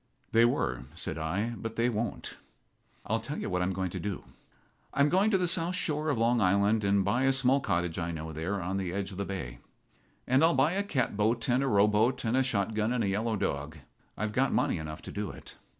"They were," said I, "but they won't.. I'll tell you what I'm going to do. I'm going to the south shore of Long Island and buy a small cottage I know there on the edge of the bay. And I'll buy a catboat and a rowboat and a shotgun and a yellow dog. I've got money enough to do it.